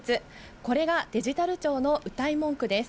これがデジタル庁のうたい文句です。